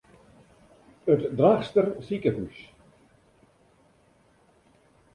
It Drachtster sikehús.